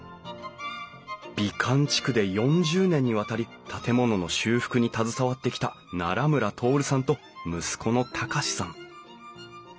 美観地区で４０年にわたり建物の修復に携わってきた村徹さんと息子の崇さん。